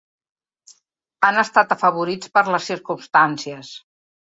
Han estat afavorits per les circumstàncies.